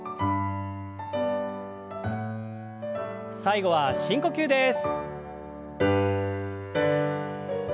最後は深呼吸です。